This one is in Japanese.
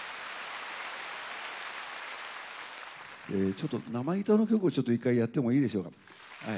ちょっと生ギターの曲をちょっと一回やってもいいでしょうか？